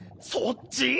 そっち？